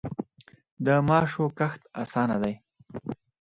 د ماشو کښت اسانه دی.